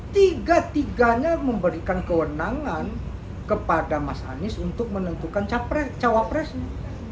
tiga tiganya memberikan kewenangan kepada mas anies untuk menentukan capres cawapresnya